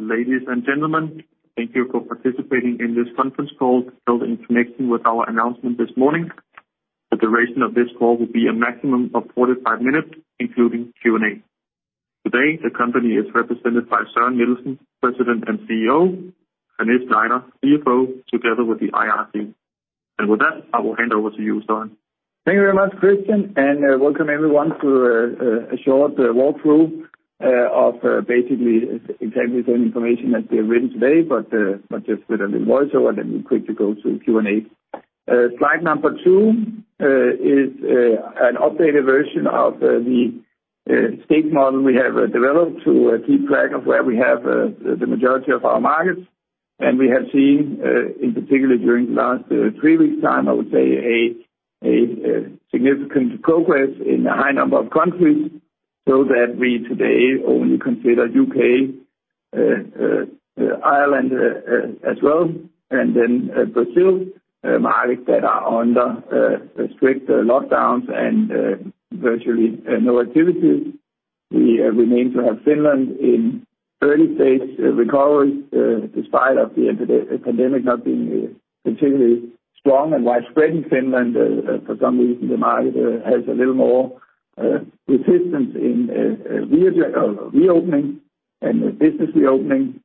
Ladies and gentlemen, thank you for participating in this conference call held in connection with our announcement this morning. The duration of this call will be a maximum of 45 minutes, including Q&A. Today, the company is represented by Søren Nielsen, President and CEO, René Schneider, CFO, together with the IR team, and with that, I will hand over to you, Søren. Thank you very much, Christian, and welcome everyone to a short walkthrough of basically exactly the same information as we have written today, but just with a little voiceover, then we'll quickly go to Q&A. Slide number two is an updated version of the staging model we have developed to keep track of where we have the majority of our markets. And we have seen, in particular during the last three weeks' time, I would say, a significant progress in a high number of countries, so that we today only consider the U.K., Ireland as well, and then Brazil markets that are under strict lockdowns and virtually no activity, and we have seen, in particular during the last three weeks' time, I would say, a significant progress in a high number of countries. We remain to have Finland in early stage recovery despite the pandemic not being particularly strong and widespread in Finland. For some reason, the market has a little more resistance in reopening and business reopening,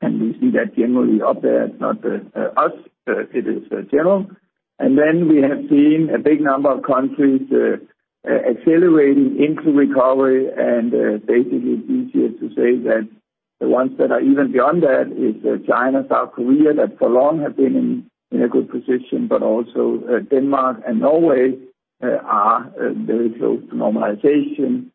and we see that generally up there. It's not us. It is general. And then we have seen a big number of countries accelerating into recovery, and basically, it's easier to say that the ones that are even beyond that are China, South Korea, that for long have been in a good position, but also Denmark and Norway are very close to normalization,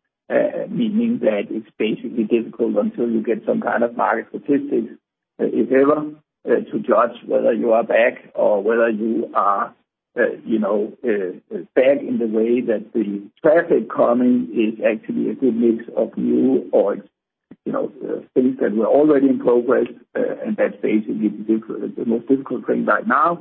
meaning that it's basically difficult until you get some kind of market statistics, if ever, to judge whether you are back or whether you are back in the way that the traffic coming is actually a good mix of new or things that were already in progress, and that's basically the most difficult thing right now.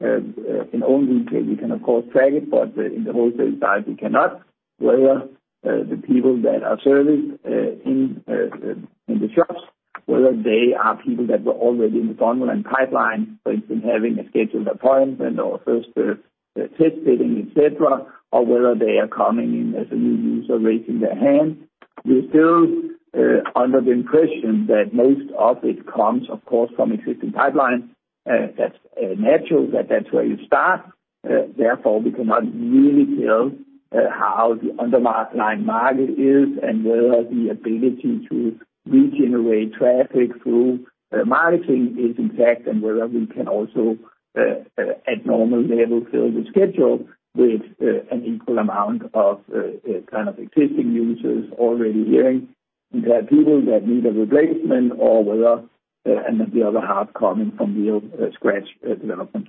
In the U.K. only, we can, of course, track it, but in the wholesale side, we cannot. Whether the people that are serviced in the shops, whether they are people that were already in the frontline pipeline, for instance, having a scheduled appointment or first test fitting, etc., or whether they are coming in as a new user raising their hand, we're still under the impression that most of it comes, of course, from existing pipelines. That's natural, that that's where you start. Therefore, we cannot really tell how the underlying market is and whether the ability to regenerate traffic through marketing is intact, and whether we can also, at normal level, fill the schedule with an equal amount of kind of existing users already hearing that people that need a replacement or whether the other half coming from real scratch development.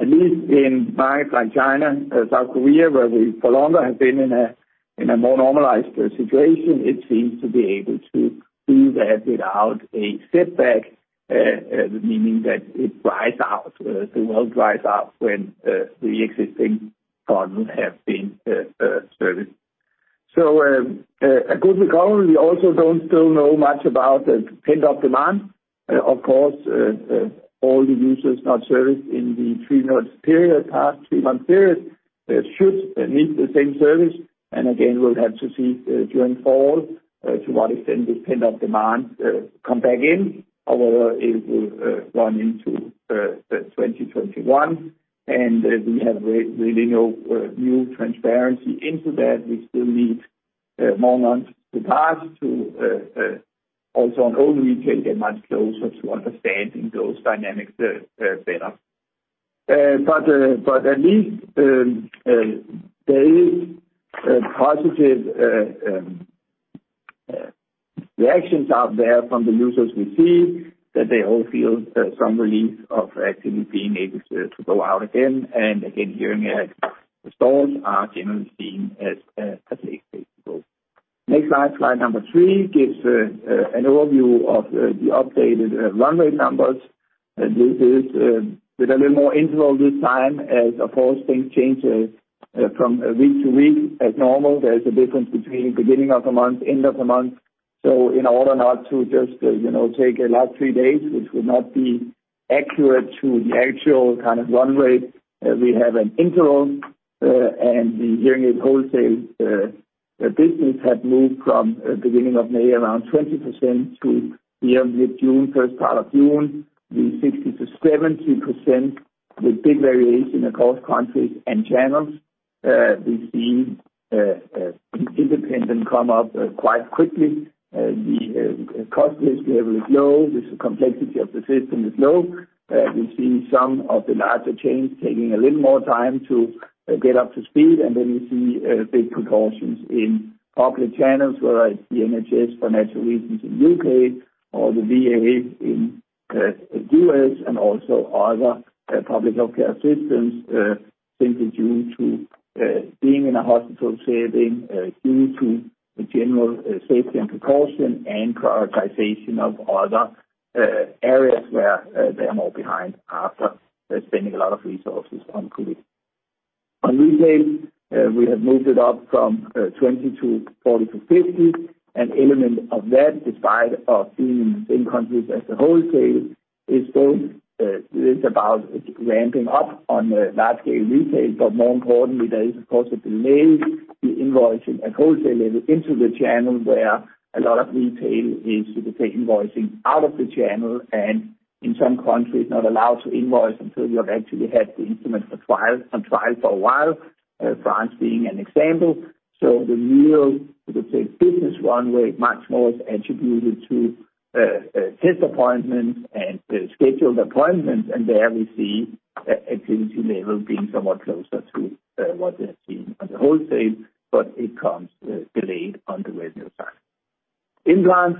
At least in markets like China, South Korea, where we for longer have been in a more normalized situation, it seems to be able to do that without a setback, meaning that it dries out, the world dries out when the existing partners have been serviced, so a good recovery. We also don't still know much about the pent-up demand. Of course, all the users not serviced in the three-month period, past three-month period, should need the same service, and again, we'll have to see during fall to what extent this pent-up demand comes back in or whether it will run into 2021, and we have really no new transparency into that. We still need more months to pass to also on old retail get much closer to understanding those dynamics better. But at least there is positive reactions out there from the users. We see that they all feel some relief of actually being able to go out again and again hearing that the stores are generally seen as a safe place to go. Next slide. Slide number three gives an overview of the updated runway numbers. This is with a little more interval this time, as of course, things change from week to week as normal. There is a difference between the beginning of the month, end of the month. So in order not to just take the last three days, which would not be accurate to the actual kind of runway, we have an interval. And the hearing aid wholesale business had moved from the beginning of May around 20% to mid-June, first part of June, the 60%-70% with big variation across countries and channels. We've seen independent come up quite quickly. The cost risk level is low. The complexity of the system is low. We've seen some of the larger chains taking a little more time to get up to speed, and then we see big proportions in public channels, whether it's the NHS for natural reasons in the U.K. or the VA in the U.S., and also other public healthcare systems simply due to being in a hospital setting, due to general safety and precaution and prioritization of other areas where they are more behind after spending a lot of resources on COVID. On retail, we have moved it up from 20% to 40% to 50%. An element of that, despite being in the same countries as the wholesale, is both about ramping up on large-scale retail, but more importantly, there is, of course, a delay in invoicing at wholesale level into the channel where a lot of retail is invoicing out of the channel and in some countries not allowed to invoice until you have actually had the instrument on trial for a while, France being an example. So the real business runway much more is attributed to test appointments and scheduled appointments, and there we see activity level being somewhat closer to what they have seen on the wholesale, but it comes delayed on the revenue side. Implants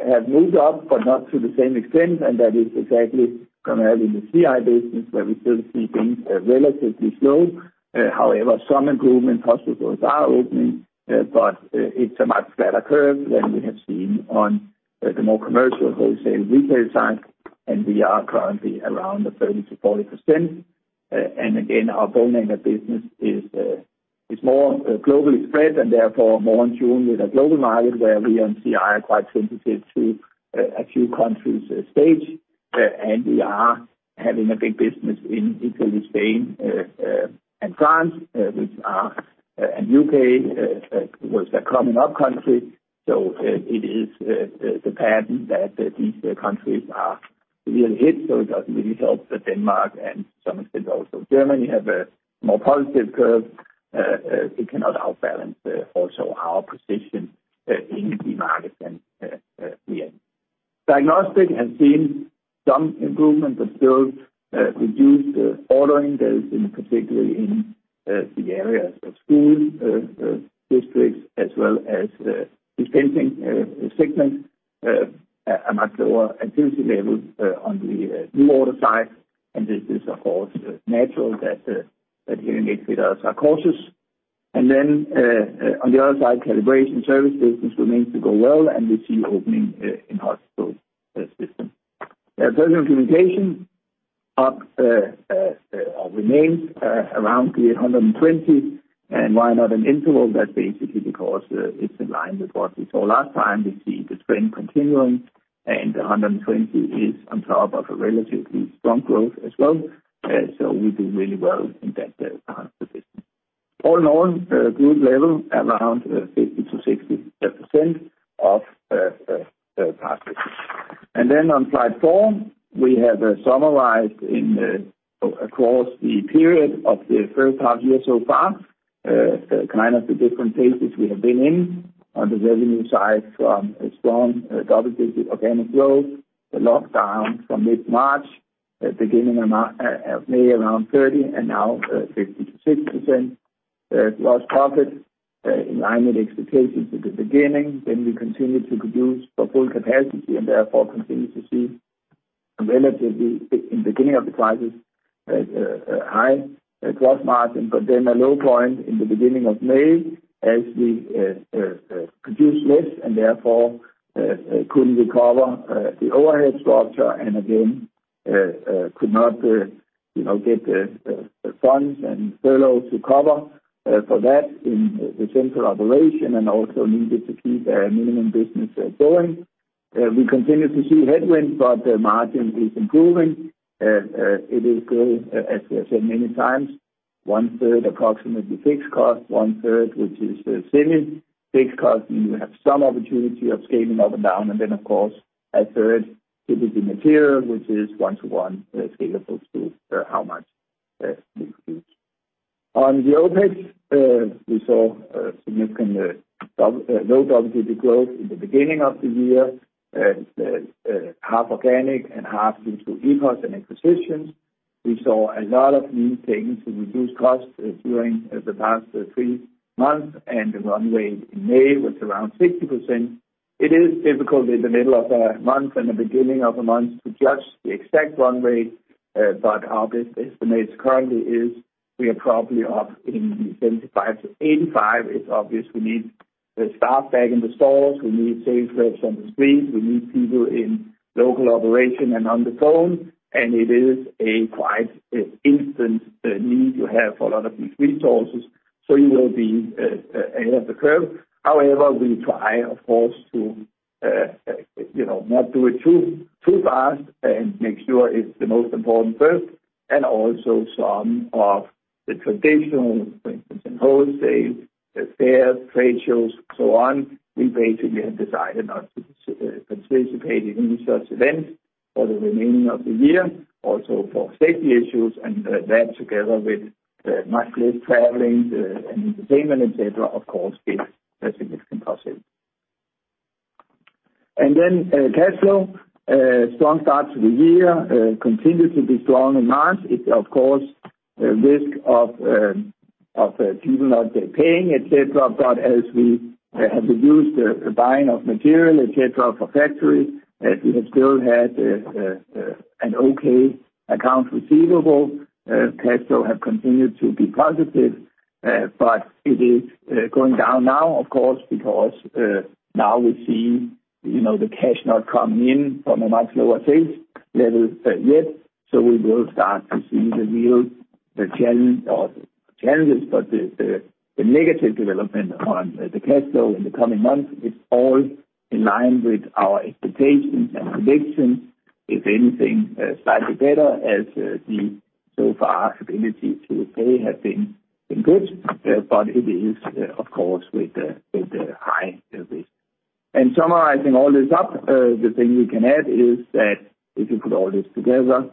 have moved up, but not to the same extent, and that is exactly what we have in the CI business, where we still see things relatively slow. However, some improvements. Hospitals are opening, but it's a much flatter curve than we have seen on the more commercial wholesale retail side, and we are currently around 30%-40%. And again, our bone anchored business is more globally spread and therefore more in tune with a global market where we on CI are quite sensitive to a few countries' stage, and we are having a big business in Italy, Spain, and France, and U.K., which are coming up countries. So it is the pattern that these countries are really hit, so it doesn't really help that Denmark and to some extent also Germany have a more positive curve. It cannot outbalance also our position in the markets and the end. Diagnostic has seen some improvement, but still reduced ordering delays in particular in the areas of school districts as well as dispensing segments. A much lower activity level on the new order side, and this is, of course, natural that hearing aid fitters are cautious. And then on the other side, calibration service business remains to go well, and we see opening in hospital systems. Personal communication up or remains around the 120, and why not an interval? That's basically because it's in line with what we saw last time. We see the trend continuing, and 120 is on top of a relatively strong growth as well. So we do really well in that position. All in all, good level around 50%-60% of past business. And then on slide four, we have summarized across the period of the first half year so far, kind of the different phases we have been in on the revenue side from strong double-digit organic growth, the lockdown from mid-March, beginning of May around 30%, and now 50%-60% gross profit in line with expectations at the beginning. Then we continue to produce for full capacity and therefore continue to see relatively in the beginning of the crisis a high gross margin, but then a low point in the beginning of May as we produced less and therefore couldn't recover the overhead structure and again could not get the funds and furlough to cover for that in the central operation and also needed to keep minimum business going. We continue to see headwinds, but the margin is improving. It is good, as we have said many times, 1/3 approximately fixed cost, 1/3, which is semi-fixed cost, meaning we have some opportunity of scaling up and down, and then, of course, 1/3 typically material, which is one-to-one scalable to how much we produce. On the OpEx, we saw significant low double-digit growth in the beginning of the year, half organic and half due to EPOS and acquisitions. We saw a lot of new things to reduce costs during the past three months, and the runway in May was around 60%. It is difficult in the middle of a month and the beginning of a month to judge the exact runway, but our best estimate currently is we are probably up in the 75%-85%. It's obvious we need staff back in the stores, we need sales reps on the streets, we need people in local operation and on the phone, and it is a quite instant need to have a lot of these resources, so you will be ahead of the curve. However, we try, of course, to not do it too fast and make sure it's the most important first, and also some of the traditional, for instance, in wholesale, the fairs, trade shows, so on, we basically have decided not to participate in any such events for the remaining of the year, also for safety issues, and that together with much less traveling and entertainment, etc., of course, gives a significant offset, and then cash flow, strong start to the year, continued to be strong in March. It's, of course, the risk of people not paying, etc., but as we have reduced the buying of material, etc., for factories, we have still had an okay account receivable. Cash flow has continued to be positive, but it is going down now, of course, because now we see the cash not coming in from a much lower sales level yet, so we will start to see the real challenges, but the negative development on the cash flow in the coming months is all in line with our expectations and predictions, if anything slightly better, as the so far ability to pay has been good, but it is, of course, with high risk. Summarizing all this up, the thing we can add is that if you put all this together,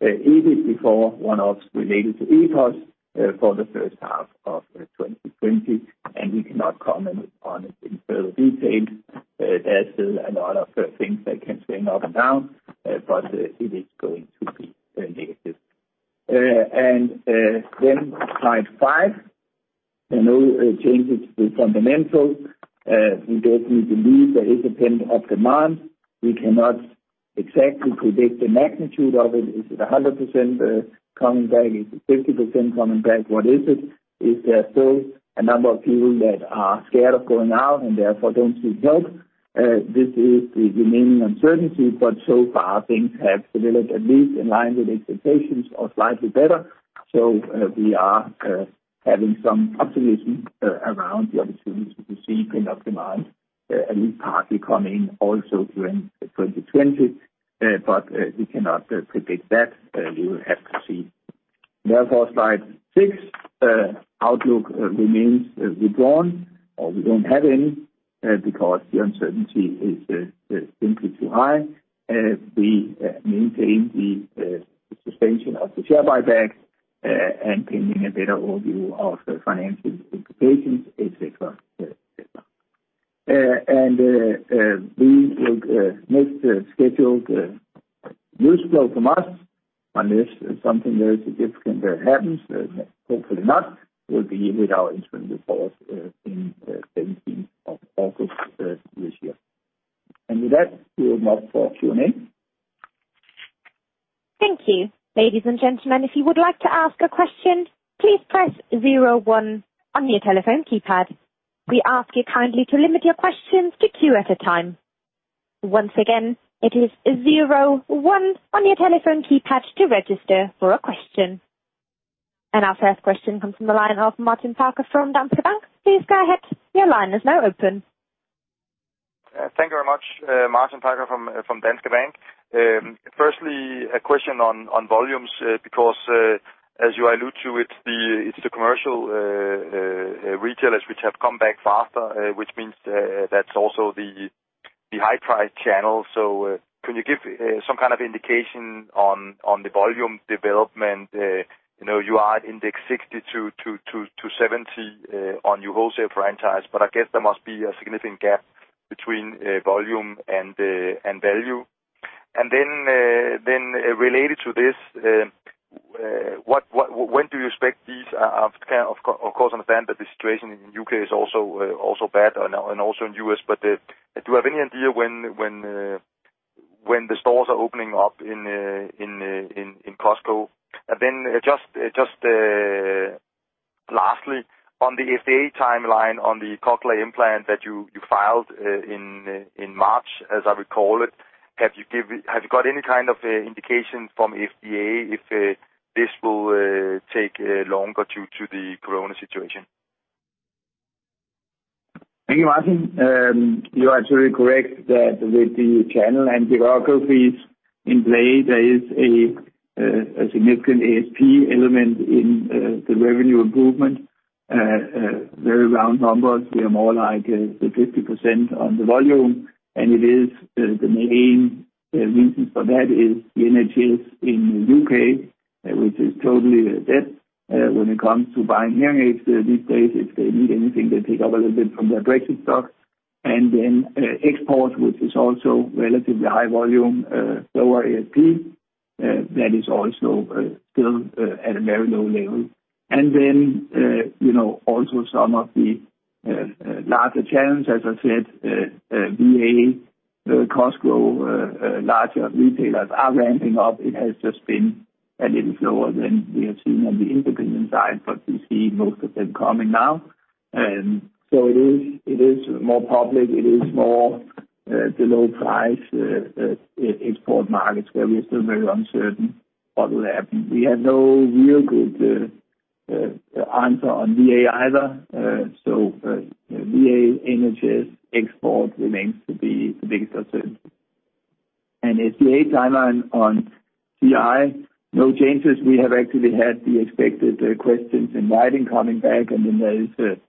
I think we can all surprise the most that unfortunately we will have a negative EBIT before one-offs related to EPOS for the first half of 2020, and we cannot comment on it in further detail. There's still a lot of things that can swing up and down, but it is going to be negative. Then slide five, and no changes to fundamentals. We definitely believe there is a pent-up demand. We cannot exactly predict the magnitude of it. Is it 100% coming back? Is it 50% coming back? What is it? Is there still a number of people that are scared of going out and therefore don't seek help? This is the remaining uncertainty, but so far things have developed at least in line with expectations or slightly better. So we are having some optimism around the opportunity to see pent-up demand at least partly coming also during 2020, but we cannot predict that. We will have to see. Therefore, slide six, outlook remains withdrawn or we don't have any because the uncertainty is simply too high. We maintain the suspension of the share buyback and pending a better overview of the financial implications, etc., etc. And we will next schedule news flow from us unless something very significant happens. Hopefully not. We'll be with our interim report in 17th of August this year. And with that, we will now for Q&A. Thank you, ladies and gentlemen. If you would like to ask a question, please press zero one on your telephone keypad. We ask you kindly to limit your questions to two at a time. Once again, it is zero one on your telephone keypad to register for a question. And our first question comes from the line of Martin Parkhøi from Danske Bank. Please go ahead. Your line is now open. Thank you very much, Martin Parkhøi from Danske Bank. Firstly, a question on volumes because, as you alluded to, it's the commercial retailers which have come back faster, which means that's also the high-price channel. So can you give some kind of indication on the volume development? You are at index 60-70 on your wholesale franchise, but I guess there must be a significant gap between volume and value. And then related to this, when do you expect these? I of course understand that the situation in the U.K. is also bad and also in the U.S., but do you have any idea when the stores are opening up in Costco? And then just lastly, on the FDA timeline on the cochlear implant that you filed in March, as I recall it, have you got any kind of indication from FDA if this will take longer due to the corona situation? Thank you, Martin. You're absolutely correct that with the channels and bureaucracies in play, there is a significant ASP element in the revenue improvement. Very round numbers. We are more like 50% on the volume, and the main reason for that is the NHS in the U.K., which is totally dead when it comes to buying hearing aids these days. If they need anything, they pick up a little bit from their back stocks. And then exports, which is also relatively high volume, lower ASP, that is also still at a very low level. And then also some of the larger channels, as I said, VA, Costco, larger retailers are ramping up. It has just been a little slower than we have seen on the independent side, but we see most of them coming now. So it is more volume. It is more the low-price export markets where we are still very uncertain what will happen. We have no real good answer on VA either. So VA, NHS, export remains to be the biggest uncertainty. And FDA timeline on CI, no changes. We have actually had the expected questions in writing coming back, and then there is a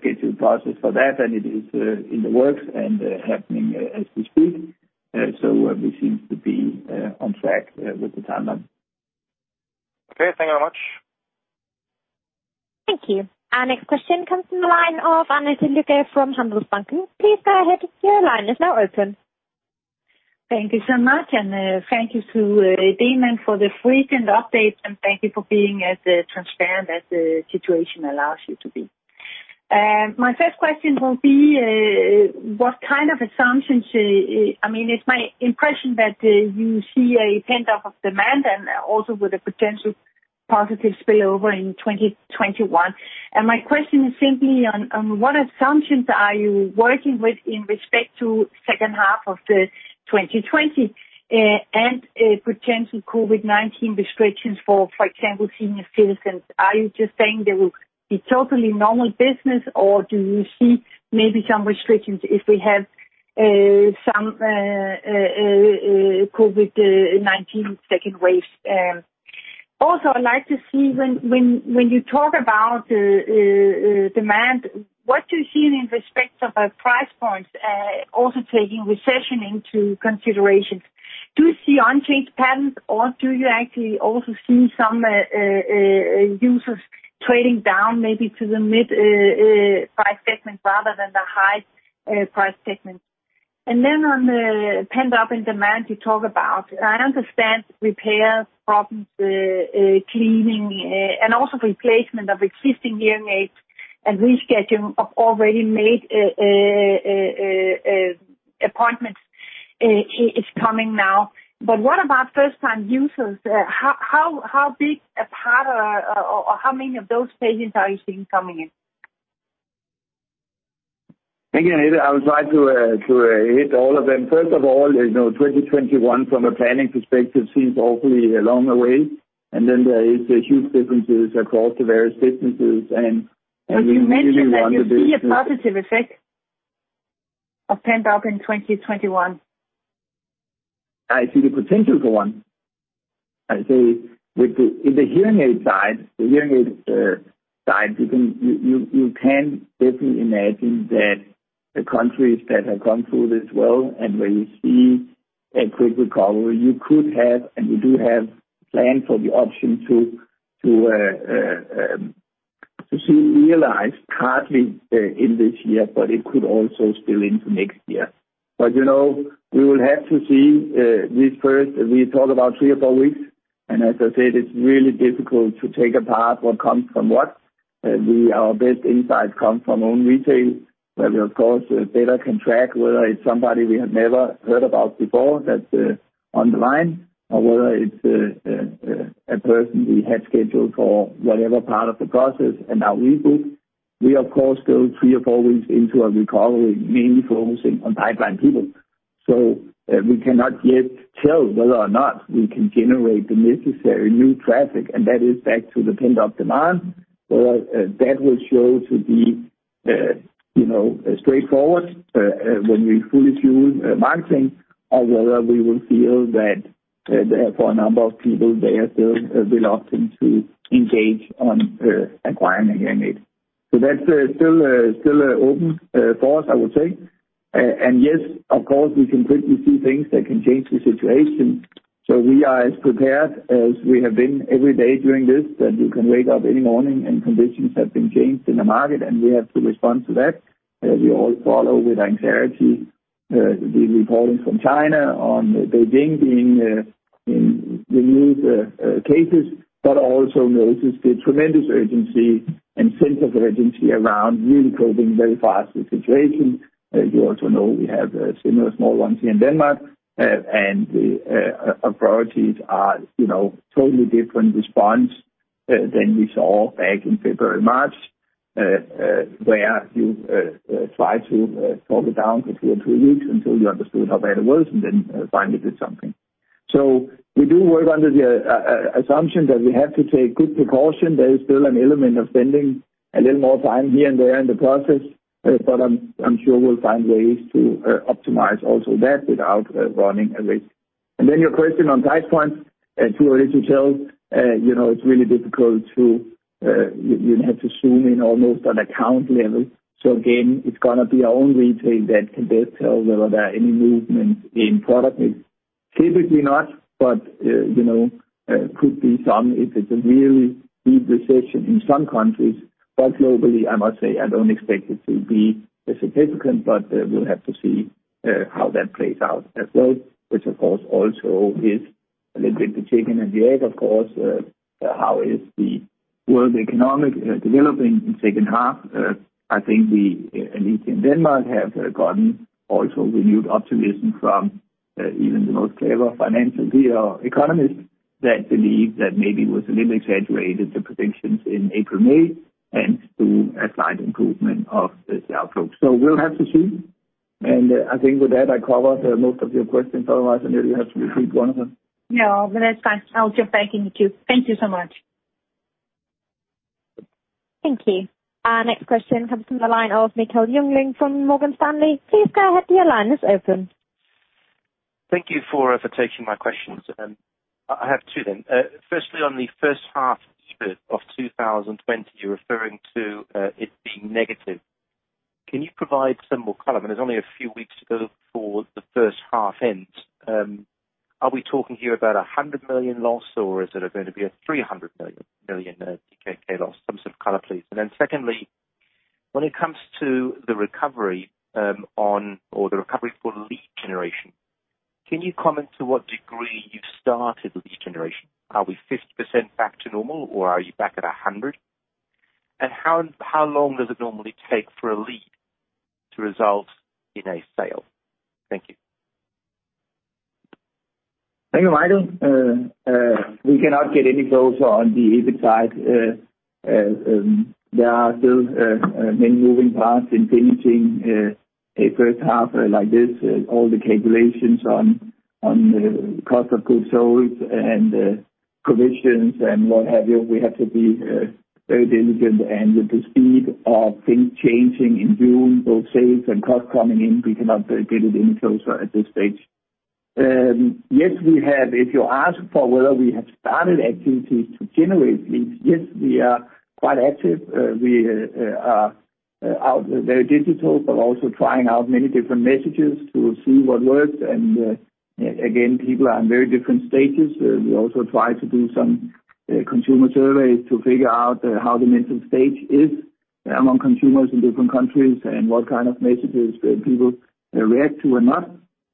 scheduled process for that, and it is in the works and happening as we speak. So we seem to be on track with the timeline. Okay, thank you very much. Thank you. Our next question comes from the line of Annette Lykke from Handelsbanken. Please go ahead. Your line is now open. Thank you so much, and thank you to Demant for the frequent updates, and thank you for being as transparent as the situation allows you to be. My first question will be, what kind of assumptions? I mean, it's my impression that you see a pent-up demand and also with a potential positive spillover in 2021, and my question is simply on what assumptions are you working with in respect to the second half of 2020 and potential COVID-19 restrictions for, for example, senior citizens? Are you just saying there will be totally normal business, or do you see maybe some restrictions if we have some COVID-19 second wave? Also, I'd like to see when you talk about demand, what do you see in respect of price points, also taking recession into consideration? Do you see unchanged patterns, or do you actually also see some users trading down maybe to the mid-price segment rather than the high-price segment? And then on the pent-up demand you talk about, I understand repairs, problems, cleaning, and also replacement of existing hearing aids and rescheduling of already made appointments is coming now. But what about first-time users? How big a part or how many of those patients are you seeing coming in? Again, I would like to hit all of them. First of all, 2021, from a planning perspective, seems awfully long away, and then there is a huge difference across the various businesses. But you mentioned that you see a positive effect of pent-up in 2021. I see the potential for one. I say with the hearing aid side, the hearing aid side, you can definitely imagine that the countries that have gone through this well and where you see a quick recovery, you could have and you do have plans for the option to be realized partly in this year, but it could also spill into next year. But we will have to see this first. We talk about three or four weeks, and as I said, it's really difficult to take apart what comes from what. Our best insights come from own retail where we, of course, better can track whether it's somebody we have never heard about before that's on the line or whether it's a person we had scheduled for whatever part of the process and now rebooked. We, of course, go three or four weeks into a recovery, mainly focusing on pipeline people, so we cannot yet tell whether or not we can generate the necessary new traffic, and that is back to the pent-up demand, whether that will show to be straightforward when we fully fuel marketing or whether we will feel that there are a number of people there still will opt in to engage on acquiring a hearing aid, so that's still open for us, I would say, and yes, of course, we can quickly see things that can change the situation, so we are as prepared as we have been every day doing this, that you can wake up any morning and conditions have been changed in the market, and we have to respond to that. We all follow with anxiety the reporting from China on Beijing being in the new cases, but also notice the tremendous urgency and sense of urgency around really coping very fast with the situation. You also know we have similar small ones here in Denmark, and our priorities are totally different response than we saw back in February-March, where you try to talk it down for two or three weeks until you understood how bad it was and then finally did something, so we do work under the assumption that we have to take good precaution. There is still an element of spending a little more time here and there in the process, but I'm sure we'll find ways to optimize also that without running a risk, and then your question on price points. It's too early to tell. It's really difficult to have to zoom in almost on account level. So again, it's going to be our own retail that can best tell whether there are any movements in product needs. Typically not, but could be some if it's a really deep recession in some countries. But globally, I must say, I don't expect it to be significant, but we'll have to see how that plays out as well, which, of course, also is a little bit the chicken and the egg, of course. How is the world economically developing in the second half? I think we, at least in Denmark, have gotten also renewed optimism from even the most clever financial economists that believe that maybe it was a little exaggerated, the predictions in April-May, and to a slight improvement of the outlook. So we'll have to see. And I think with that, I covered most of your questions. Otherwise, I know you have to repeat one of them. No, but that's fine. I'll jump back in with you. Thank you so much. Thank you. Our next question comes from the line of Michael Jüngling from Morgan Stanley. Please go ahead. Your line is open. Thank you for taking my questions. I have two then. Firstly, on the first half of 2020, you're referring to it being negative. Can you provide some more color? I mean, there's only a few weeks to go for the first half end. Are we talking here about a 100 million loss, or is it going to be a 300 million loss? Some sort of color, please. And then secondly, when it comes to the recovery on or the recovery for lead generation, can you comment to what degree you started lead generation? Are we 50% back to normal, or are you back at 100? And how long does it normally take for a lead to result in a sale? Thank you. Thank you, Michael. We cannot get any closer on the EBIT side. There are still many moving parts in finishing a first half like this. All the calculations on cost of goods sold and commissions and what have you. We have to be very diligent, and with the speed of things changing in June, both sales and costs coming in, we cannot get it any closer at this stage. Yes, we have. If you ask for whether we have started activities to generate leads, yes, we are quite active. We are very digital, but also trying out many different messages to see what works. Again, people are in very different stages. We also try to do some consumer surveys to figure out how the mental state is among consumers in different countries and what kind of messages people react to or not.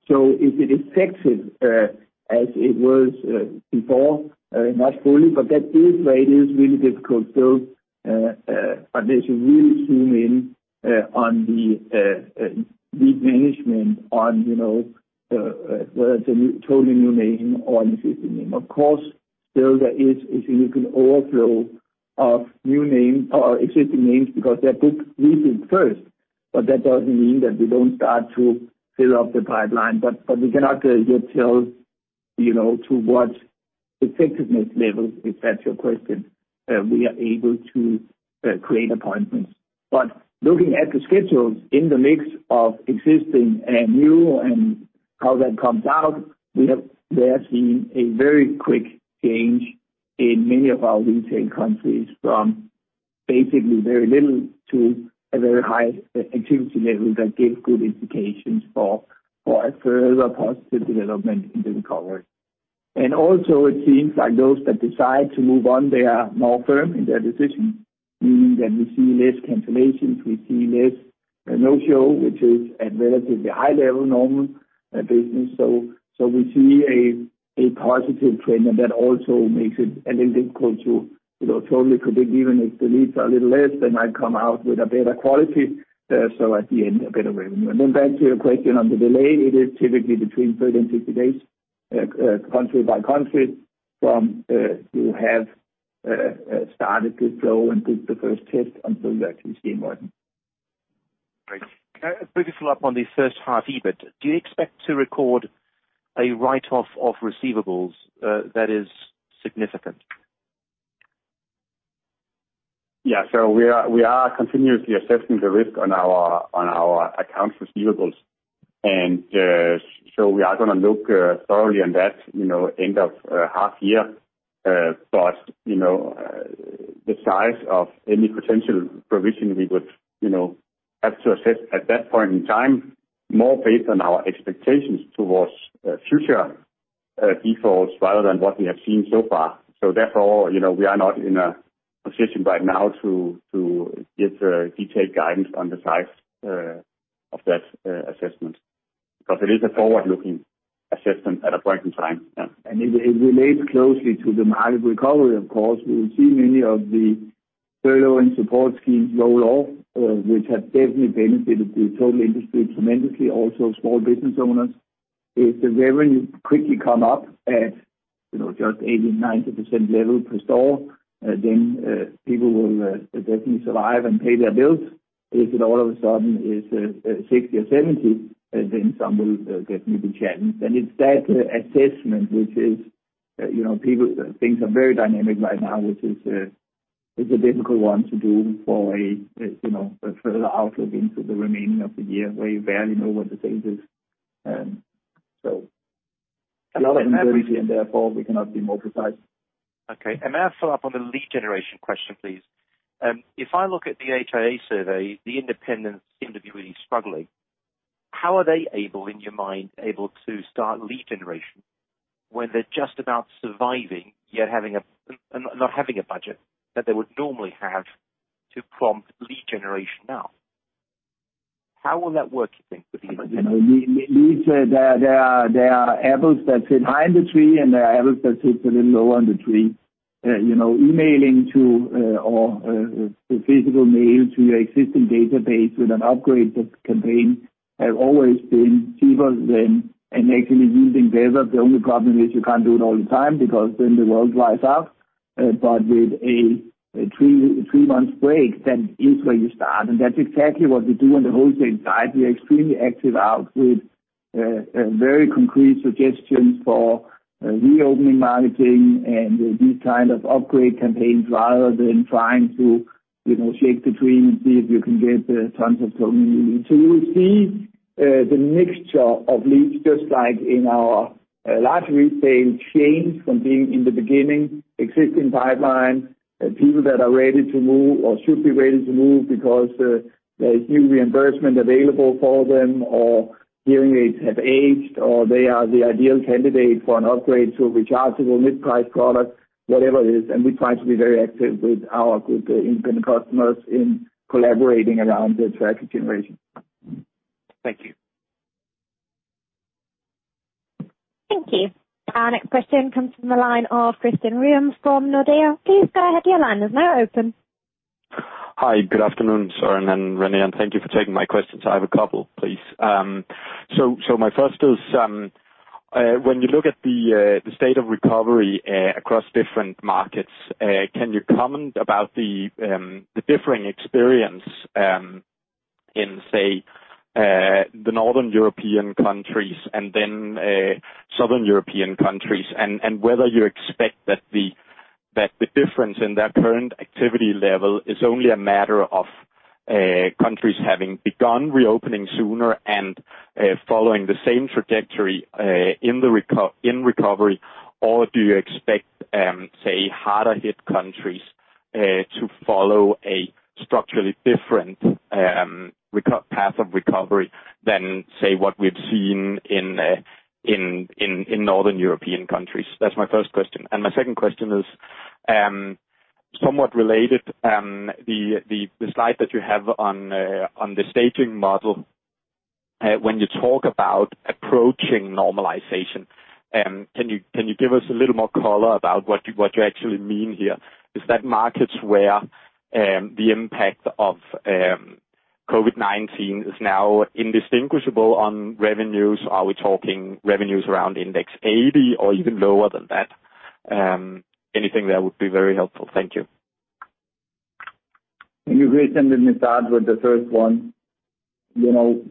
So if it is effective as it was before, not fully, but that is where it is really difficult still, unless you really zoom in on the lead management on whether it's a totally new name or an existing name. Of course, still there is a significant overflow of new names or existing names because they're booked recently first, but that doesn't mean that we don't start to fill up the pipeline. But we cannot yet tell to what effectiveness level, if that's your question, we are able to create appointments. But looking at the schedules in the mix of existing and new and how that comes out, we have seen a very quick change in many of our retail countries from basically very little to a very high activity level that gives good indications for a further positive development in the recovery. And also, it seems like those that decide to move on, they are more firm in their decisions, meaning that we see less cancellations. We see less no-show, which is at a relatively high level normal business, so we see a positive trend, and that also makes it a little difficult to totally predict. Even if the leads are a little less, they might come out with a better quality, so at the end, a better revenue, and then back to your question on the delay, it is typically between 30 and 60 days, country by country, from you have started to flow and book the first test until you actually see it working. Great. Quick follow-up on the first half EBIT. Do you expect to record a write-off of receivables that is significant? Yeah. So we are continuously assessing the risk on our accounts receivables. And so we are going to look thoroughly on that end of half year. But the size of any potential provision we would have to assess at that point in time more based on our expectations towards future defaults rather than what we have seen so far. So therefore, we are not in a position right now to give detailed guidance on the size of that assessment because it is a forward-looking assessment at a point in time. And it relates closely to the market recovery, of course. We will see many of the furlough and support schemes roll off, which have definitely benefited the total industry tremendously, also small business owners. If the revenue quickly comes up at just 80%-90% level per store, then people will definitely survive and pay their bills. If it all of a sudden is 60 or 70, then some will definitely be challenged, and it's that assessment, which is things are very dynamic right now, which is a difficult one to do for a further outlook into the remaining of the year where you barely know what the state is, so a lot of uncertainty, and therefore, we cannot be more precise. Okay. And may I follow up on the lead generation question, please? If I look at the HIA survey, the independents seem to be really struggling. How are they, in your mind, able to start lead generation when they're just about surviving yet not having a budget that they would normally have to prompt lead generation now? How will that work, you think, with the independents? Leads, there are apples that sit high in the tree, and there are apples that sit a little lower in the tree. Emailing or physical mail to your existing database with an upgrade campaign has always been cheaper than and actually yielding better. The only problem is you can't do it all the time because then the well dries up. But with a three-month break, that is where you start. And that's exactly what we do on the wholesale side. We are extremely active outreach with very concrete suggestions for reopening marketing and these kinds of upgrade campaigns rather than trying to shake the tree and see if you can get tons of tokens. You will see the mixture of leads, just like in our large retail chains, from being in the beginning, existing pipeline, people that are ready to move or should be ready to move because there is new reimbursement available for them or hearing aids have aged or they are the ideal candidate for an upgrade to a rechargeable mid-price product, whatever it is. And we try to be very active with our good independent customers in collaborating around lead generation. Thank you. Thank you. Our next question comes from the line of Christian Ryom from Nordea. Please go ahead. Your line is now open. Hi. Good afternoon, Søren and René. And thank you for taking my questions. I have a couple, please. My first is, when you look at the state of recovery across different markets, can you comment about the differing experience in, say, the northern European countries and then southern European countries and whether you expect that the difference in their current activity level is only a matter of countries having begun reopening sooner and following the same trajectory in recovery, or do you expect, say, harder-hit countries to follow a structurally different path of recovery than, say, what we've seen in northern European countries? That's my first question, and my second question is somewhat related. The slide that you have on the staging model, when you talk about approaching normalization, can you give us a little more color about what you actually mean here? Is that markets where the impact of COVID-19 is now indistinguishable on revenues? Are we talking revenues around index 80 or even lower than that? Anything there would be very helpful. Thank you. Can you read some of the message with the first one?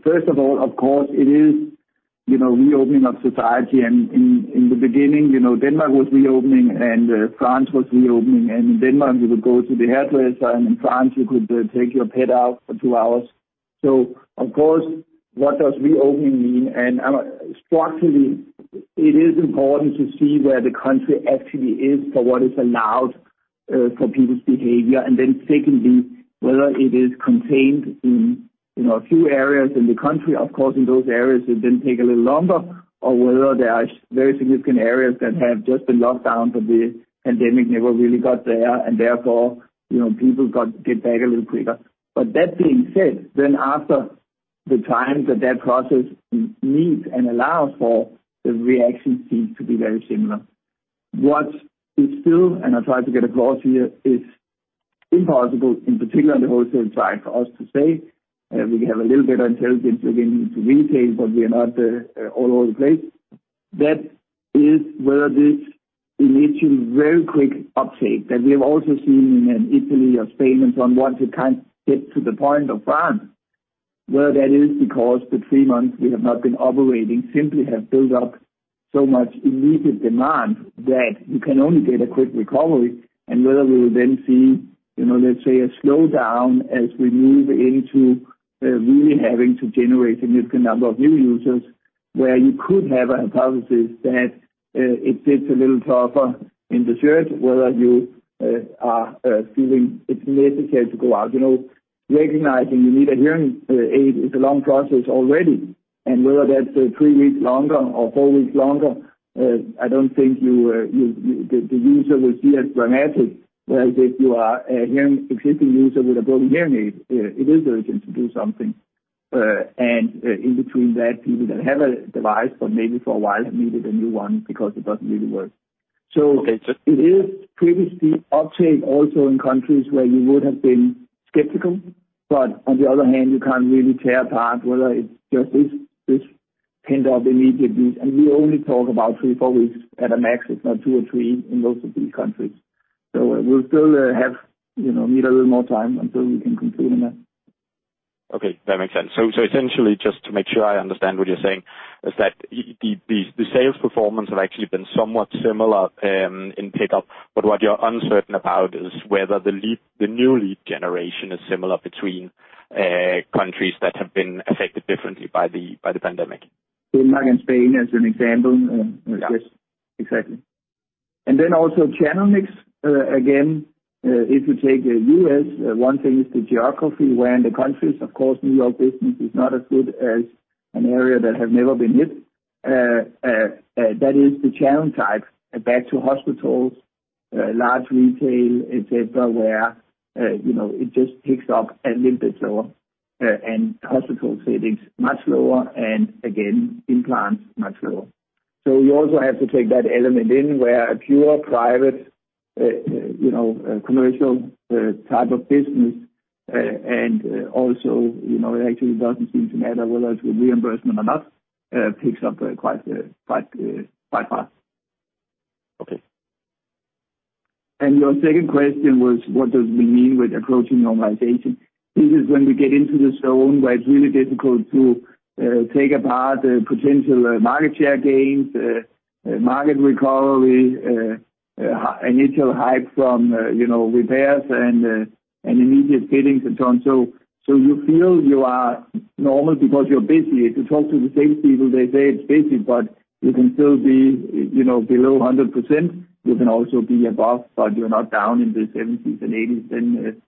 First of all, of course, it is reopening of society. And in the beginning, Denmark was reopening, and France was reopening. And in Denmark, you would go to the hairdresser, and in France, you could take your pet out for two hours. So, of course, what does reopening mean? And structurally, it is important to see where the country actually is for what is allowed for people's behavior. And then secondly, whether it is contained in a few areas in the country. Of course, in those areas, it then takes a little longer, or whether there are very significant areas that have just been locked down, but the pandemic never really got there, and therefore, people get back a little quicker. But that being said, then after the time that that process meets and allows for, the reaction seems to be very similar. What is still, and I'll try to get across here, is impossible, in particular in the wholesale side, for us to say. We have a little bit of intelligence looking into retail, but we are not all over the place. That is, whether this initial very quick uptake that we have also seen in Italy or Spain and so on, once it kind of gets to the point of France, whether that is because the three months we have not been operating simply have built up so much immediate demand that you can only get a quick recovery, and whether we will then see, let's say, a slowdown as we move into really having to generate a significant number of new users, where you could have a hypothesis that it gets a little tougher in the short term, whether you are feeling it's necessary to go out, recognizing you need a hearing aid is a long process already, and whether that's three weeks longer or four weeks longer, I don't think the user will see as dramatic as if you are an existing hearing aid user with a broken hearing aid. It is urgent to do something. And in between that, people that have a device, but maybe for a while have needed a new one because it doesn't really work. So it is previously uptake also in countries where you would have been skeptical, but on the other hand, you can't really tell apart whether it's just this pent-up immediate need. And we only talk about three, four weeks at a max, if not two or three in most of these countries. So we'll still need a little more time until we can conclude on that. Okay. That makes sense. So essentially, just to make sure I understand what you're saying, is that the sales performance has actually been somewhat similar in pickup, but what you're uncertain about is whether the new lead generation is similar between countries that have been affected differently by the pandemic? Denmark and Spain as an example. Yeah. Exactly. And then also channel mix. Again, if you take the U.S., one thing is the geography where in the countries, of course, New York business is not as good as an area that has never been hit. That is the channel type, back to hospitals, large retail, etc., where it just picks up a little bit slower. And hospital settings, much slower, and again, implants, much slower. So you also have to take that element in where a pure private commercial type of business and also it actually doesn't seem to matter whether it's with reimbursement or not, picks up quite fast. Okay. Your second question was, what does it mean with approaching normalization? This is when we get into the zone where it's really difficult to take apart the potential market share gains, market recovery, initial hype from repairs and immediate fittings and so on. You feel you are normal because you're busy. If you talk to the same people, they say it's busy, but you can still be below 100%. You can also be above, but you're not down in the 70s and 80s, then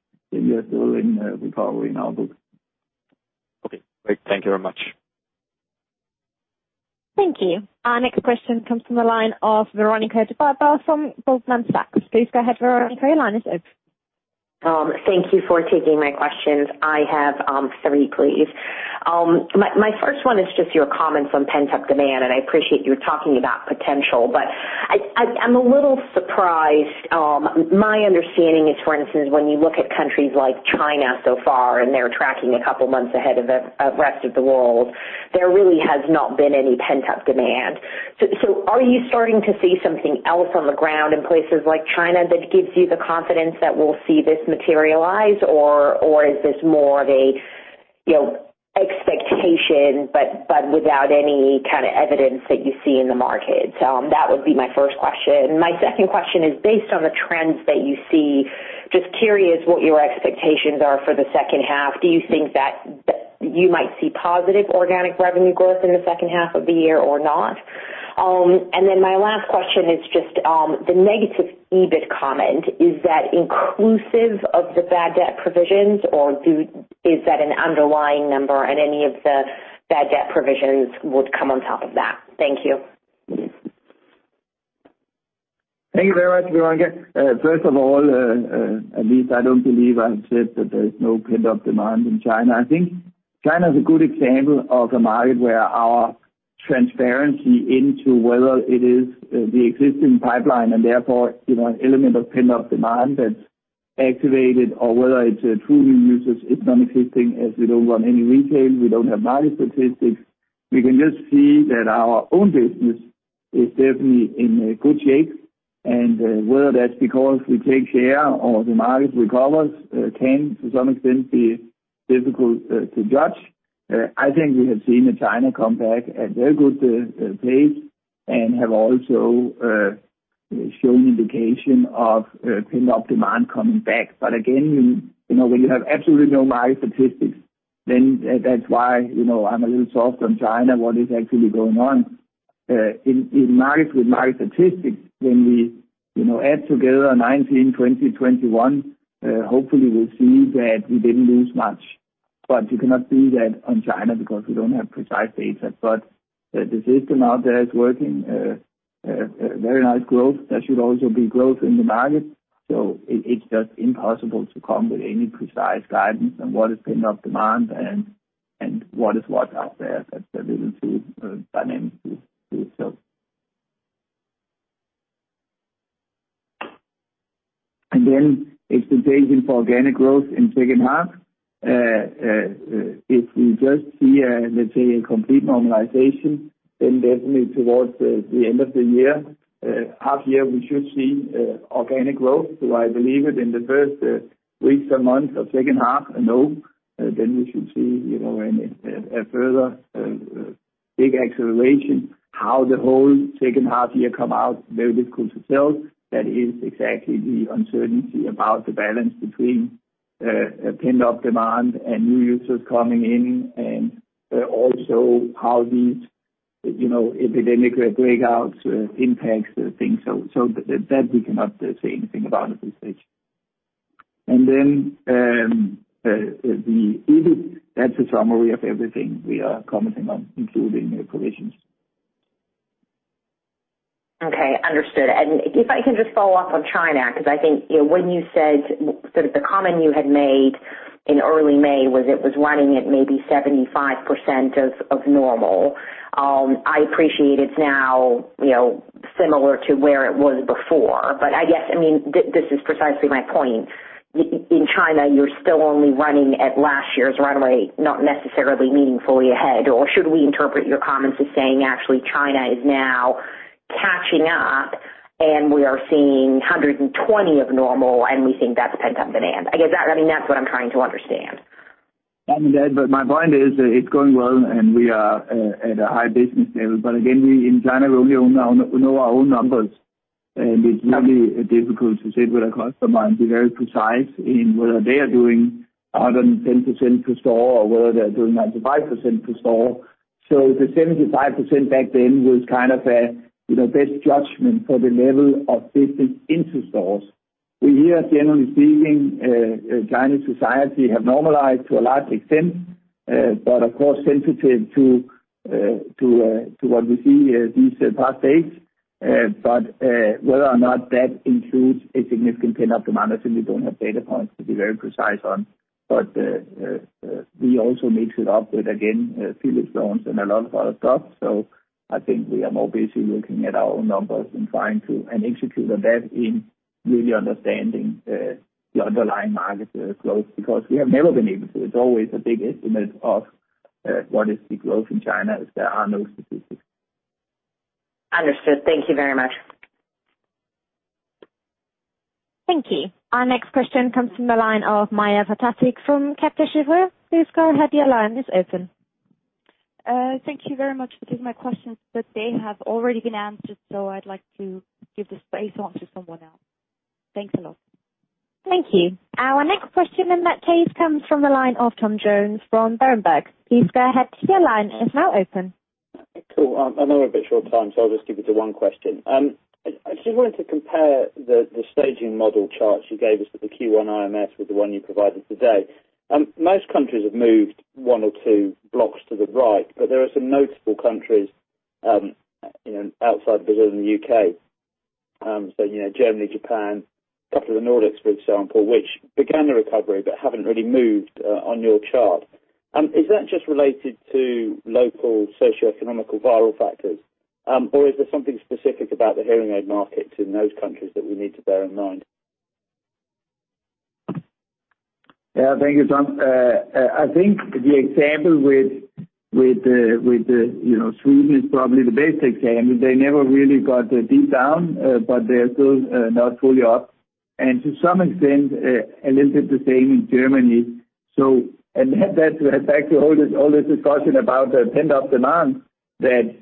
you're still in recovery in our books. Okay. Great. Thank you very much. Thank you. Our next question comes from the line of Veronika Dubajova from Goldman Sachs. Please go ahead, Veronika. Your line is open. Thank you for taking my questions. I have three, please. My first one is just your comments on pent-up demand, and I appreciate you're talking about potential, but I'm a little surprised. My understanding is, for instance, when you look at countries like China so far, and they're tracking a couple of months ahead of the rest of the world, there really has not been any pent-up demand. So are you starting to see something else on the ground in places like China that gives you the confidence that we'll see this materialize, or is this more of an expectation but without any kind of evidence that you see in the market? So that would be my first question. My second question is, based on the trends that you see, just curious what your expectations are for the second half. Do you think that you might see positive organic revenue growth in the second half of the year or not? And then my last question is just the negative EBIT comment. Is that inclusive of the bad debt provisions, or is that an underlying number, and any of the bad debt provisions would come on top of that? Thank you. Thank you very much, Veronika. First of all, at least I don't believe I've said that there is no pent-up demand in China. I think China is a good example of a market where our transparency into whether it is the existing pipeline and therefore an element of pent-up demand that's activated, or whether it's truly users, it's non-existing as we don't run any retail. We don't have market statistics. We can just see that our own business is definitely in good shape. And whether that's because we take share or the market recovers can to some extent be difficult to judge. I think we have seen China come back at a very good pace and have also shown indication of pent-up demand coming back. But again, when you have absolutely no market statistics, then that's why I'm a little soft on China, what is actually going on. In markets with market statistics, when we add together 2019, 2020, 2021, hopefully we'll see that we didn't lose much. But you cannot see that on China because we don't have precise data. But the system out there is working. Very nice growth. There should also be growth in the market. So it's just impossible to come with any precise guidance on what is pent-up demand and what is what out there. That's a little too dynamic to itself. And then expectation for organic growth in the second half. If we just see, let's say, a complete normalization, then definitely towards the end of the year, half year, we should see organic growth. So I believe it in the first weeks or months of second half, no. Then we should see a further big acceleration. How the whole second half year comes out, very difficult to tell. That is exactly the uncertainty about the balance between pent-up demand and new users coming in, and also how these epidemic breakouts impact things. So that we cannot say anything about at this stage. And then the EBIT, that's a summary of everything we are commenting on, including provisions. Okay. Understood. And if I can just follow up on China, because I think when you said sort of the comment you had made in early May was it was running at maybe 75% of normal. I appreciate it's now similar to where it was before. But I guess, I mean, this is precisely my point. In China, you're still only running at last year's run rate, not necessarily meaningfully ahead. Or should we interpret your comments as saying, actually, China is now catching up, and we are seeing 120% of normal, and we think that's pent-up demand? I guess, I mean, that's what I'm trying to understand. I mean, my point is it's going well, and we are at a high business level. But again, in China, we only know our own numbers. And it's really difficult to say to a customer and be very precise in whether they are doing 110% per store or whether they're doing 95% per store. So the 75% back then was kind of a best judgment for the level of business into stores. We here, generally speaking, Chinese society have normalized to a large extent, but of course sensitive to what we see these past days. But whether or not that includes a significant pent-up demand, I certainly don't have data points to be very precise on. But we also mix it up with, again, Philips loans and a lot of other stuff. So I think we are more busy looking at our own numbers and trying to execute on that in really understanding the underlying market growth, because we have never been able to. It's always a big estimate of what is the growth in China if there are no statistics. Understood. Thank you very much. Thank you. Our next question comes from the line of Maja Pataki from Kepler Cheuvreux. Please go ahead. Your line is open. Thank you very much. This is my question, but they have already been answered, so I'd like to give the space on to someone else. Thanks a lot. Thank you. Our next question in that case comes from the line of Tom Jones from Berenberg. Please go ahead. Your line is now open. Cool. I know we're a bit short of time, so I'll just give you the one question. I just wanted to compare the staging model chart you gave us with the Q1 IMS with the one you provided today. Most countries have moved one or two blocks to the right, but there are some notable countries outside Brazil and the UK, so Germany, Japan, a couple of the Nordics, for example, which began the recovery but haven't really moved on your chart. Is that just related to local socioeconomic or viral factors, or is there something specific about the hearing aid market in those countries that we need to bear in mind? Yeah. Thank you, Tom. I think the example with Sweden is probably the best example. They never really got deep down, but they're still not fully up, and to some extent, a little bit the same in Germany, and that's back to all this discussion about the pent-up demand that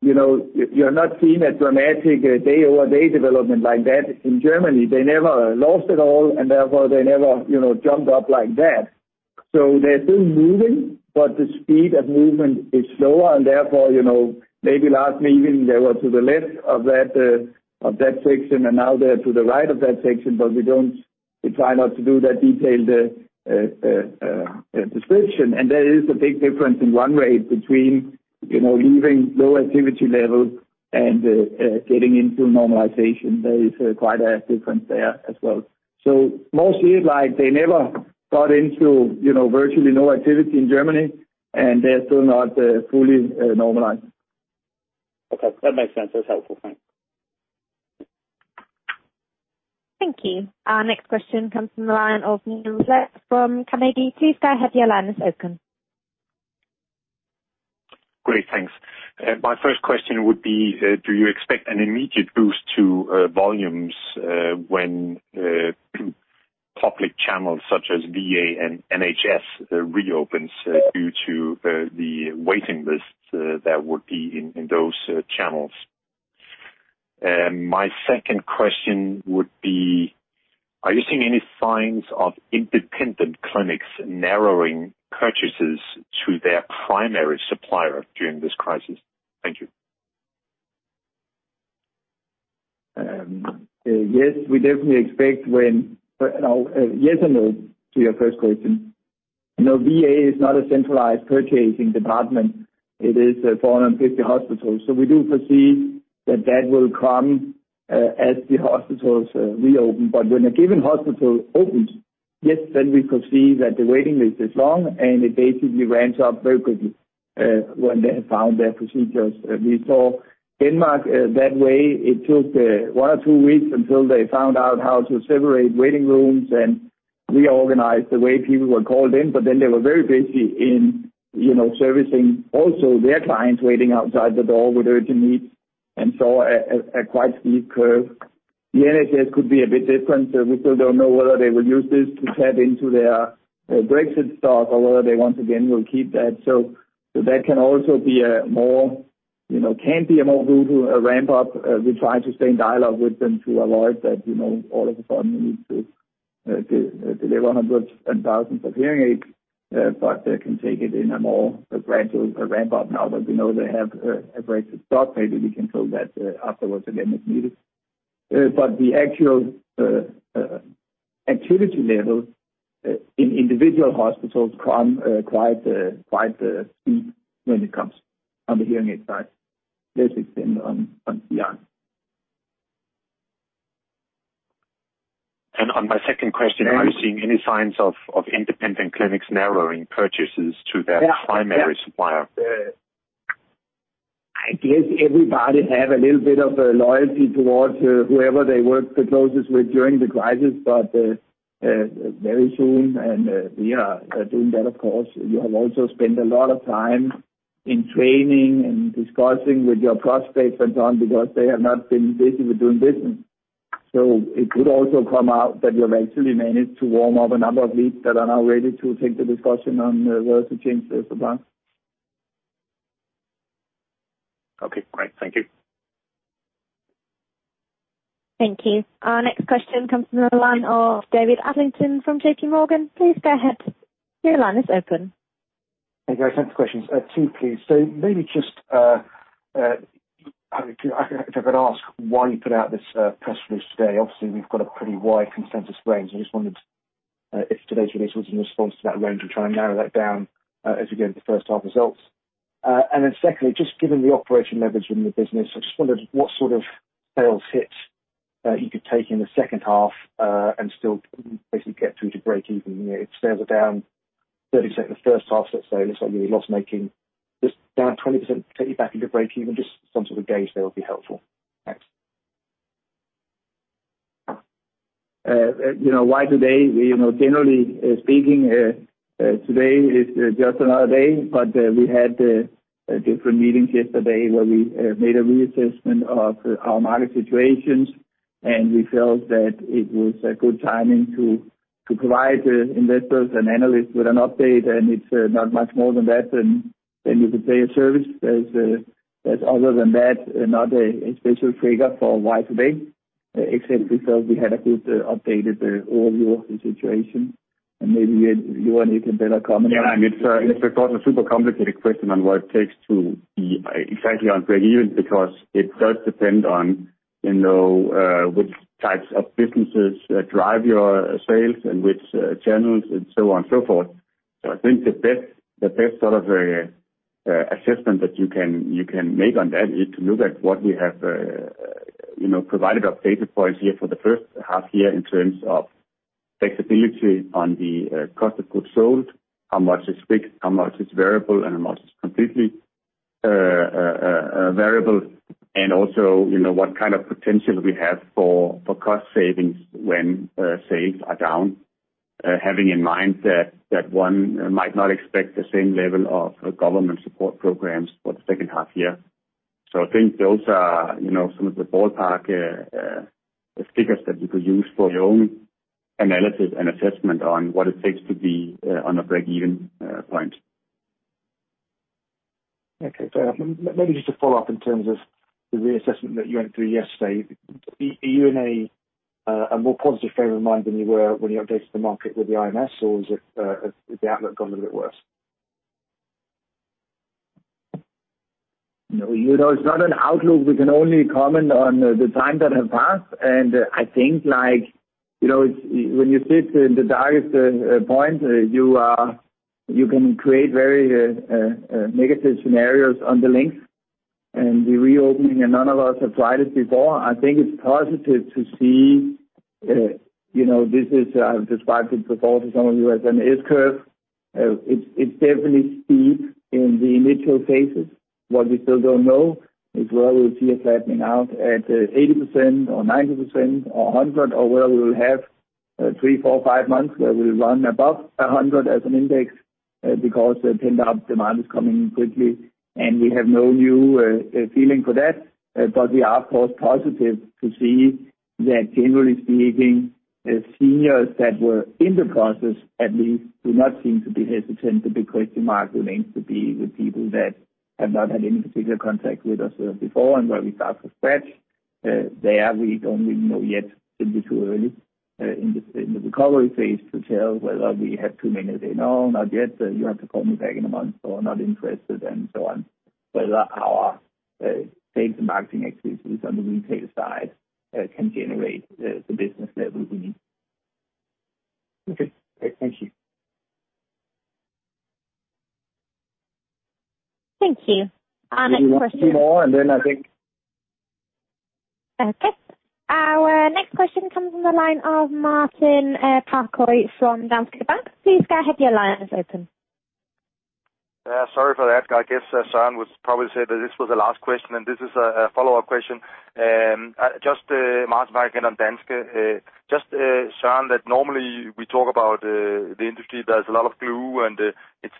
you're not seeing a dramatic day-over-day development like that in Germany. They never lost at all, and therefore they never jumped up like that, so they're still moving, but the speed of movement is slower. And therefore, maybe last meeting, they were to the left of that section, and now they're to the right of that section, but we try not to do that detailed description, and there is a big difference in run rate between leaving low activity level and getting into normalization. There is quite a difference there as well. Mostly it's like they never got into virtually no activity in Germany, and they're still not fully normalized. Okay. That makes sense. That's helpful. Thanks. Thank you. Our next question comes from the line of Niels Granholm-Leth from Carnegie. Please go ahead. Your line is open. Great. Thanks. My first question would be, do you expect an immediate boost to volumes when public channels such as VA and NHS reopen due to the waiting lists that would be in those channels? My second question would be, are you seeing any signs of independent clinics narrowing purchases to their primary supplier during this crisis? Thank you. Yes, we definitely expect. When? Yes and no to your first question. No, VA is not a centralized purchasing department. It is 450 hospitals. So we do foresee that that will come as the hospitals reopen. But when a given hospital opens, yes, then we foresee that the waiting list is long, and it basically ramps up very quickly when they have found their procedures. We saw Denmark that way. It took one or two weeks until they found out how to separate waiting rooms and reorganize the way people were called in. But then they were very busy in servicing also their clients waiting outside the door with urgent needs and saw a quite steep curve. The NHS could be a bit different. We still don't know whether they will use this to tap into their Brexit stock or whether they once again will keep that. So that can also be a more brutal ramp-up. We try to stay in dialogue with them to avoid that all of a sudden we need to deliver hundreds and thousands of hearing aids, but they can take it in a more gradual ramp-up now that we know they have a Brexit stock. Maybe we can fill that afterwards again if needed. But the actual activity level in individual hospitals comes quite steep when it comes on the hearing aid side. Let's extend on beyond. On my second question, are you seeing any signs of independent clinics narrowing purchases to their primary supplier? I guess everybody has a little bit of loyalty towards whoever they work the closest with during the crisis, but very soon, and we are doing that, of course. You have also spent a lot of time in training and discussing with your prospects and so on because they have not been busy with doing business, so it could also come out that you have actually managed to warm up a number of leads that are now ready to take the discussion on whether to change their suppliers. Okay. Great. Thank you. Thank you. Our next question comes from the line of David Adlington from JPMorgan. Please go ahead. Your line is open. Hey, guys. Next questions. Two, please. So maybe just if I could ask why you put out this press release today. Obviously, we've got a pretty wide consensus range. I just wondered if today's release was in response to that range and try and narrow that down as we get into the first half results. And then secondly, just given the operating leverage in the business, I just wondered what sort of sales hit you could take in the second half and still basically get through to break even. If sales are down 30% in the first half, let's say, looks like you're loss-making, just down 20%, take you back into break even, just some sort of gauge there would be helpful. Thanks. Why today? Generally speaking, today is just another day, but we had different meetings yesterday where we made a reassessment of our market situations, and we felt that it was a good timing to provide investors and analysts with an update, and it's not much more than that, you could say, a service. Other than that, not a special trigger for why today, except we felt we had a good, updated overview of the situation, and maybe you and I can better comment on that. Yeah. It's because it's a super complicated question on what it takes to be exactly on break even because it does depend on which types of businesses drive your sales and which channels and so on and so forth. So I think the best sort of assessment that you can make on that is to look at what we have provided updated points here for the first half year in terms of flexibility on the cost of goods sold, how much is fixed, how much is variable, and how much is completely variable, and also what kind of potential we have for cost savings when sales are down, having in mind that one might not expect the same level of government support programs for the second half year. I think those are some of the ballpark figures that you could use for your own analysis and assessment on what it takes to be on a break-even point. Okay. Maybe just to follow up in terms of the reassessment that you went through yesterday, are you in a more positive frame of mind than you were when you updated the market with the IMS, or has the outlook gone a little bit worse? No, it's not an outlook. We can only comment on the time that has passed. And I think when you sit in the darkest point, you can create very negative scenarios on the length and the reopening, and none of us have tried it before. I think it's positive to see this. I've described it before to some of you as an S-curve. It's definitely steep in the initial phases. What we still don't know is where we'll see it flattening out at 80% or 90% or 100%, or whether we will have three, four, five months where we'll run above 100 as an index because pent-up demand is coming quickly. And we have no new feeling for that. But we are, of course, positive to see that, generally speaking, the seniors that were in the process, at least, do not seem to be hesitant. The big question mark remains to be the people that have not had any particular contact with us before and where we start from scratch. There, we don't really know yet, simply too early in the recovery phase, to tell whether we have too many to say, "No, not yet. You have to call me back in a month," or "Not interested," and so on, whether our sales and marketing expertise on the retail side can generate the business level we need. Okay. Thank you. Thank you. Our next question. A few more and then I think. Okay. Our next question comes from the line of Martin Parkhøi from Danske Bank. Please go ahead. Your line is open. Sorry for that. I guess Søren would probably say that this was the last question, and this is a follow-up question. Just Martin, back again on Danske. Just Søren, that normally we talk about the industry, there's a lot of glue, and it's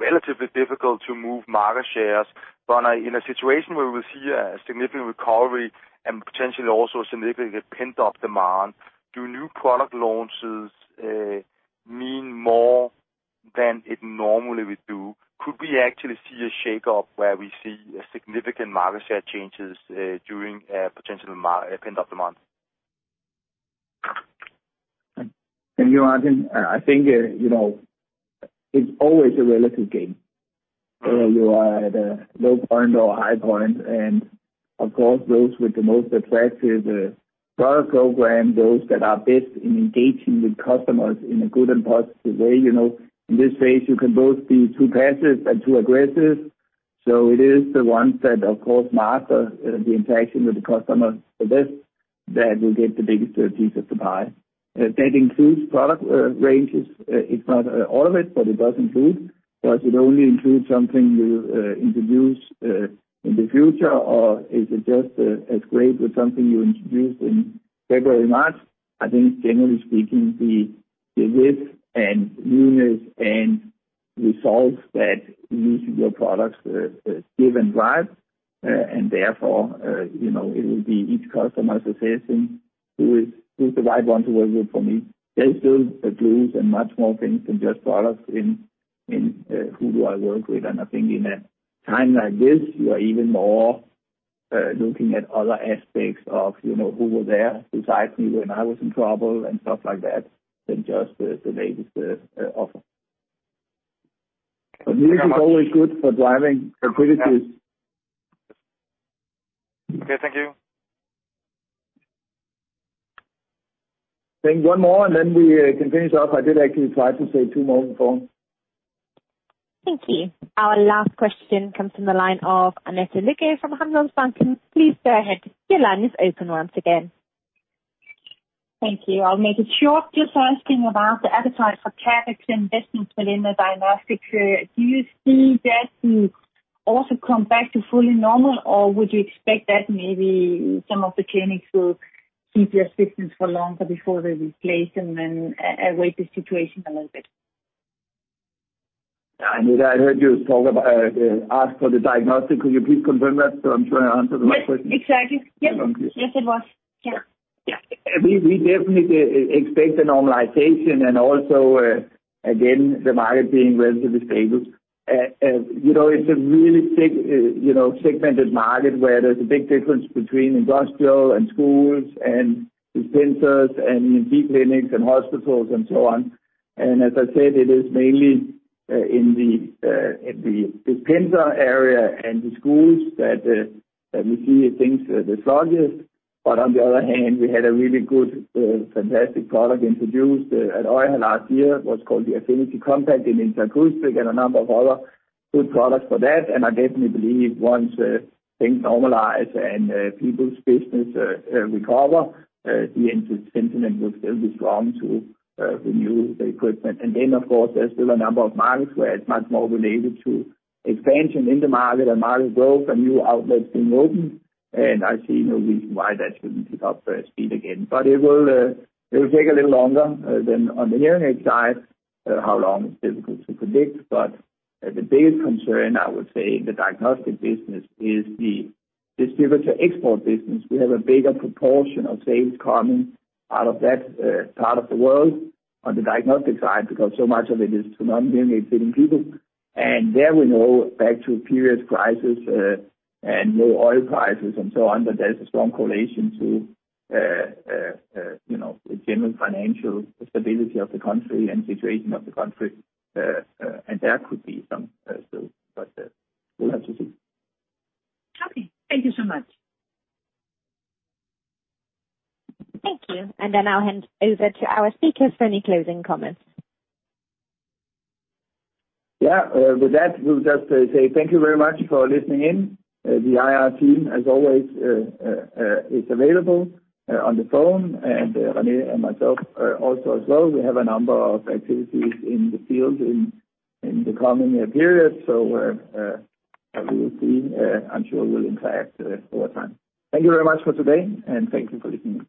relatively difficult to move market shares. But in a situation where we see a significant recovery and potentially also a significant pent-up demand, do new product launches mean more than it normally would do? Could we actually see a shake-up where we see significant market share changes during a potential pent-up demand? Can you argue? I think it's always a relative game. Whether you are at a low point or a high point and of course, those with the most attractive product program, those that are best in engaging with customers in a good and positive way. In this phase, you can both be too passive and too aggressive. So it is the ones that, of course, master the interaction with the customers the best that will get the biggest piece of the pie. That includes product ranges. It's not all of it, but it does include. Does it only include something you introduce in the future, or is it just as great with something you introduced in February or March? I think, generally speaking, the width and newness and results that lead your products give and drive. And therefore, it will be each customer's assessing who is the right one to work with for me. There's still the pluses and much more things than just products in who do I work with. And I think in a time like this, you are even more looking at other aspects of who were there beside me when I was in trouble and stuff like that than just the latest offer. But news is always good for driving activities. Okay. Thank you. Think one more, and then we can finish off. I did actually try to say two more beforehand. Thank you. Our last question comes from the line of Annette Lykke from Handelsbanken. Please go ahead. Your line is open once again. Thank you. I'll make it short. Just asking about the appetite for tariffs and business within the Diagnostics Group. Do you see that also come back to fully normal, or would you expect that maybe some of the clinics will keep your systems for longer before they replace them and await the situation a little bit? Annette, I heard you ask for the diagnostic. Could you please confirm that? So I'm sure I answered my question. Yes. Exactly. Yes. Yes, it was. Yes. We definitely expect the normalization and also, again, the market being relatively stable. It's a really segmented market where there's a big difference between industrial and schools and dispensers and ENT clinics and hospitals and so on. And as I said, it is mainly in the dispenser area and the schools that we see things the sluggiest. But on the other hand, we had a really good, fantastic product introduced at EUHA last year, what's called the Affinity Compact in Interacoustics and a number of other good products for that. And I definitely believe once things normalize and people's business recover, the sentiment will still be strong to renew the equipment. And then, of course, there's still a number of markets where it's much more related to expansion in the market and market growth and new outlets being opened. I see no reason why that shouldn't pick up speed again. But it will take a little longer than on the hearing aid side, how long it's difficult to predict. But the biggest concern, I would say, in the diagnostic business is the distributor export business. We have a bigger proportion of sales coming out of that part of the world on the diagnostic side because so much of it is to non-hearing aid-fitting people. And there we know, back to a previous crisis and low oil prices and so on, that there's a strong correlation to the general financial stability of the country and situation of the country. And there could be some still, but we'll have to see. Okay. Thank you so much. Thank you, and then I'll hand over to our speakers for any closing comments. Yeah. With that, we'll just say thank you very much for listening in. The IR team, as always, is available on the phone, and René and myself also as well. We have a number of activities in the field in the coming period, so we will see. I'm sure we'll interact over time. Thank you very much for today, and thank you for listening.